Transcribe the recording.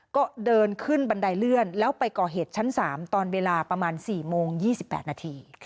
ก็เดินขึ้นบันไดเลื่อนแล้วไปก่อเหตุชั้น๓ตอนเวลาประมาณ๔โมง๒๘นาที